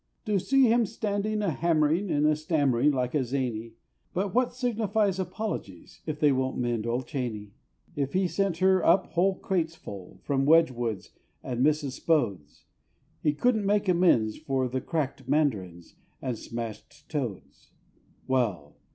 To see him stand a hammering and stammering like a zany; But what signifies apologies, if they won't mend old Chaney! If he sent her up whole crates full, from Wedgwood's and Mr. Spode's, He couldn't make amends for the crack'd mandarins and smash'd toads. Well!